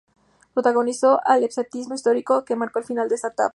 Protagonizó el escepticismo histórico que marcó el final de esta etapa.